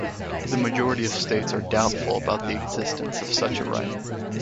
The majority of States are doubtful about the existence of such a right.